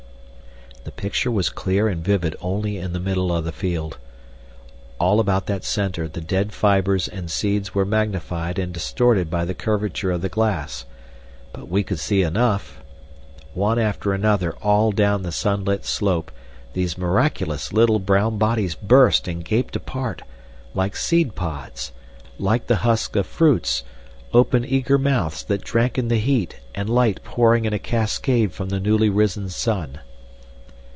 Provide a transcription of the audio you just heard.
The picture was clear and vivid only in the middle of the field. All about that centre the dead fibres and seeds were magnified and distorted by the curvature of the glass. But we could see enough! One after another all down the sunlit slope these miraculous little brown bodies burst and gaped apart, like seed pods, like the husks of fruits; opened eager mouths that drank in the heat and light pouring in a cascade from the newly risen sun.